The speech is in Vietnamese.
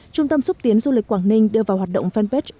trung tâm xúc tiến du lịch quảng ninh đưa vào hoạt động fanpage